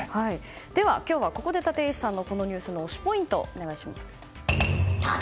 では今日はここで立石さんの、このニュースの推しポイントをお願いします。